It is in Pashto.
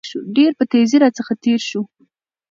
ډېر په تېزى راڅخه تېر شو.